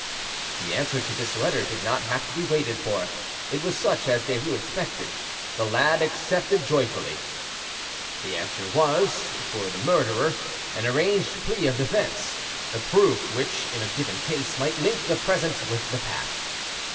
The answer to this letter did not have to be waited for: it was such as Derues expected; the lad accepted joyfully. The answer was, for the murderer, an arranged plea of defence, a proof which, in a given case, might link the present with the past.